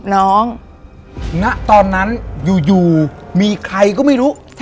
ณตอนนั้นอยู่มีใครก็ไม่รู้